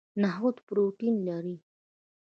نخود پروتین لري